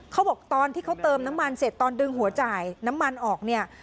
เขาบอกตอนที่เขาเติมน้ำมันเสร็จตอนดึงหัวจ่ายน้ำมันออกเนี่ย